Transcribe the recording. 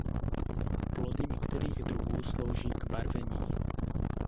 Plody některých druhů slouží k barvení.